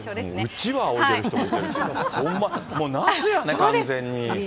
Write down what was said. うちわ扇いでる人もいるし、ほんま、もう夏やね、完全に。